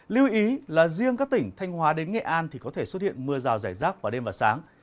lưu ý là riêng các tỉnh thanh hóa đến nghệ an thì có thể xuất hiện mưa rào rải rác vào đêm và sáng